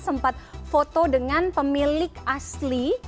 sempat foto dengan pemilik asli